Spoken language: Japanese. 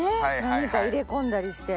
何か入れ込んだりして。